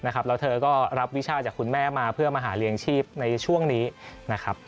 แล้วเธอก็รับวิชาจากคุณแม่มาเพื่อมาหาเลี้ยงชีพในช่วงนี้นะครับ